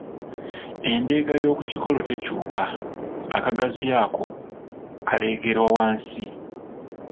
Endeega y’oku kikolo tekyuka, akagaziyo ako kaleegerwa wansi